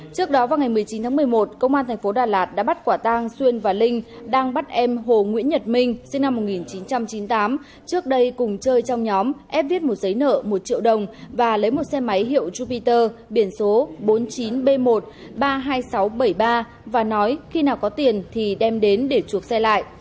trước đó vào ngày một mươi chín tháng một mươi một công an thành phố đà lạt đã bắt quả tang xuyên và linh đang bắt em hồ nguyễn nhật minh sinh năm một nghìn chín trăm chín mươi tám trước đây cùng chơi trong nhóm ép viết một giấy nợ một triệu đồng và lấy một xe máy hiệu jupiter biển số bốn mươi chín b một trăm ba mươi hai nghìn sáu trăm bảy mươi ba và nói khi nào có tiền thì đem đến để chuộc xe lại